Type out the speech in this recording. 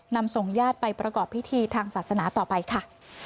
นำส่งญาติไปประกอบพิธีทางศาสนาต่อไปค่ะ